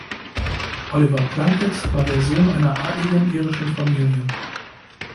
Oliver Plunkett war der Sohn einer adligen irischen Familie.